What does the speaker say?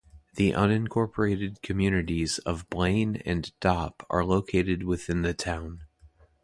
The unincorporated communities of Blaine and Dopp are located within the town.